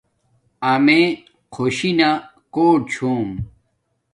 اݸ میے خوشی نا کوٹ ہو